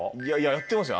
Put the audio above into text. やってますよ。